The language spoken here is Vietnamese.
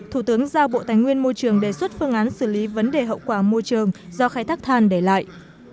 thủ tướng giao bộ tài nguyên môi trường đề xuất phương án xử lý vấn đề hậu quả môi trường do khai thác than để lại